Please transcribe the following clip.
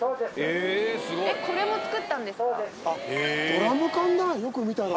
ドラム缶だよく見たら。